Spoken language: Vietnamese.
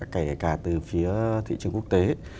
kể cả từ phía thị trường quốc tế